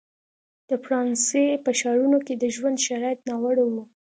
د فرانسې په ښارونو کې د ژوند شرایط ناوړه وو.